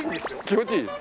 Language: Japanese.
気持ちいい？